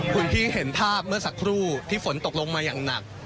คุณพี่เห็นภาพเมื่อสักครู่ที่ฝนตกลงมาอย่างหนัก